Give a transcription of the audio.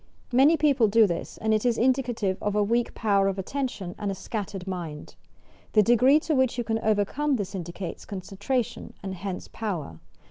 Many people do this, and it is indicative of a weak power of attention and a scattered mind. The degree to which you can overcome this indicates concentration, and hence power.